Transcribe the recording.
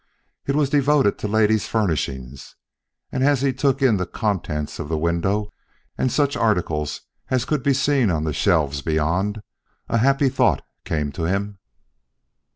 It was devoted to ladies' furnishings, and as he took in the contents of the window and such articles as could be seen on the shelves beyond, a happy thought came to him.